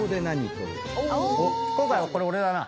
今回これ俺だな。